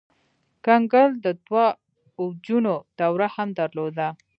کنګل د دوه اوجونو دوره هم درلوده.